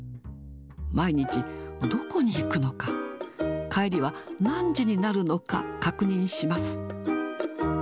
毎日、どこに行くのか、帰りは何時になるのか確認します。